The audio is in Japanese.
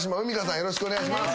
よろしくお願いします。